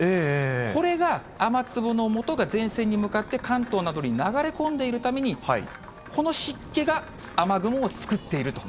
これが、雨粒のもとが前線に向かって関東などに流れ込んでいるために、この湿気が雨雲を作っていると。